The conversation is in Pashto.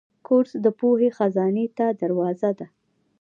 کورس د پوهې خزانې ته دروازه ده.